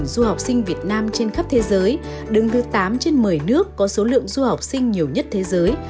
một trăm năm mươi du học sinh việt nam trên khắp thế giới đứng thứ tám trên một mươi nước có số lượng du học sinh nhiều nhất thế giới